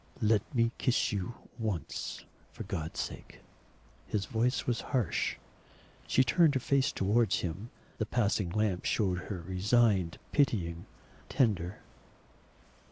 "Let me kiss you once, for God's sake," his voice was harsh. She turned her face towards him. The passing lamp showed her resigned, pitying, tender.